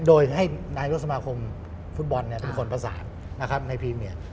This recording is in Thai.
โดยให้นายรัฐสมาคมฟุตบอลเป็นคนภาษาในพรีเมียร์